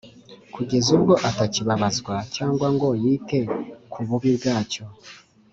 kugeza ubwo atakibabazwa cyangwa ngo yite ku bubi bwacyo